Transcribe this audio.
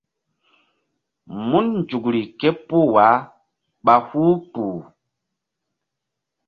Mun nzukri ké puh wah ɓa huh kpuh.